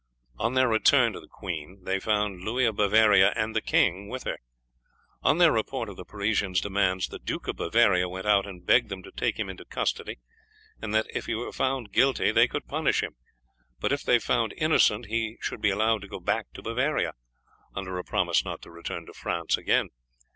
On their return to the queen they found Louis of Bavaria and the king with her. On their report of the Parisians' demands the Duke of Bavaria went out and begged them to take him into custody, and that if he were found guilty they could punish him, but that if found innocent he should be allowed to go back to Bavaria, under a promise not to return to France again.